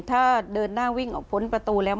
ถ้าเดินหน้าวิ่งออกพ้นประตูแล้ว